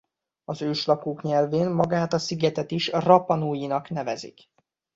Az őslakók nyelvén magát a szigetet is Rapa Nuinak nevezik.